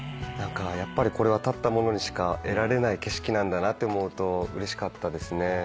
やっぱりこれは立った者にしか得られない景色って思うとうれしかったですね。